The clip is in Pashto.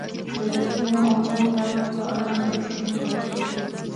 د درسونو او نورو کارونو په اړوند یې پوښتنې وکړې.